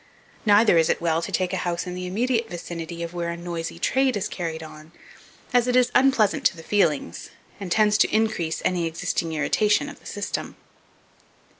Neither is it well to take a house in the immediate vicinity of where a noisy trade is carried on, as it is unpleasant to the feelings, and tends to increase any existing irritation of the system.